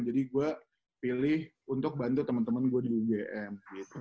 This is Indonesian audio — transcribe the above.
jadi gue pilih untuk bantu temen temen gue di ugm